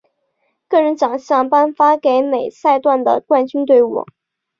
个人奖项颁发给每赛段的冠军队伍。